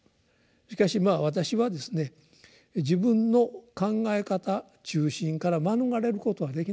しかしまあ私はですね自分の考え方中心から免れることはできない。